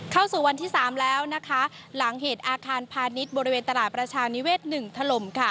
เข้าสู่วันที่๓แล้วนะคะหลังเหตุอาคารพาณิชย์บริเวณตลาดประชานิเวศ๑ถล่มค่ะ